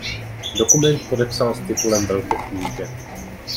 Dokument podepsal s titulem velkokníže.